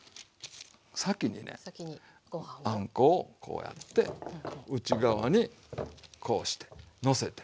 先にねあんこをこうやって内側にこうしてのせて。